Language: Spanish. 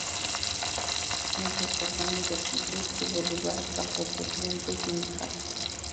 Un cierto cambio de actitud tuvo lugar bajo el presidente Jimmy Carter.